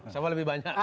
sama lebih banyak